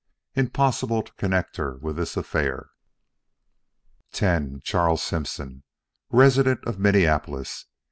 Impossible to connect her with this affair. X Charles Simpson, resident of Minneapolis.